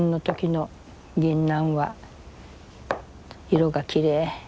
色がきれい。